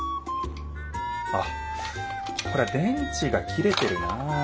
あっこれ電池が切れてるなあ。